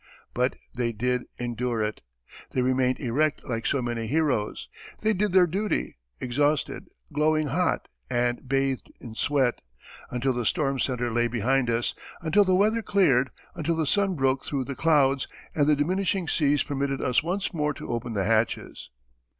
But they did endure it. They remained erect like so many heroes, they did their duty, exhausted, glowing hot, and bathed in sweat, until the storm centre lay behind us, until the weather cleared, until the sun broke through the clouds, and the diminishing seas permitted us once more to open the hatches.